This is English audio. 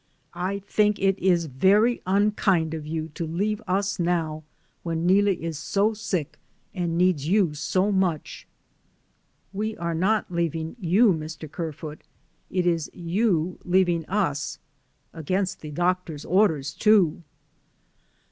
I think it is very unkind of you to leave us now when Neelie is so sick and needs you so much." "We are not leaving you, Mr. Kerfoot ; it is you leaving us against the doctor's orders, too."